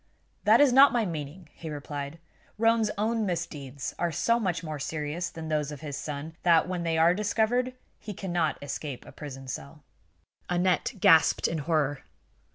"That is not my meaning," he replied. "Roane's own misdeeds are so much more serious than those of his son that, when they are discovered, he cannot escape a prison cell." Aneth gasped in horror.